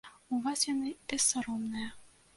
У вас яны бессаромныя.